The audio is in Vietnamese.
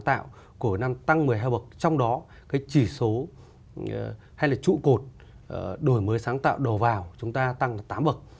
tăng một mươi hai bậc trong đó cái chỉ số hay là trụ cột đổi mới sáng tạo đồ vào chúng ta tăng tám bậc